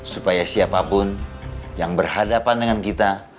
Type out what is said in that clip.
supaya siapapun yang berhadapan dengan kita